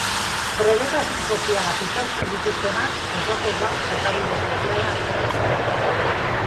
Trebetasun sozialak ikertzen dituztenak ez datoz bat jokabide soziala aztertzean.